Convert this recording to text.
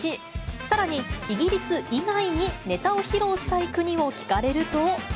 さらにイギリス以外にネタを披露したい国を聞かれると。